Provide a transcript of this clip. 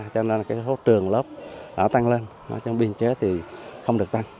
cho nên số trường lớp tăng lên biên chế thì không được tăng